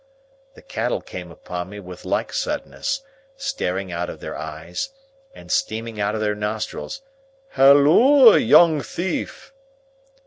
The cattle came upon me with like suddenness, staring out of their eyes, and steaming out of their nostrils, "Halloa, young thief!"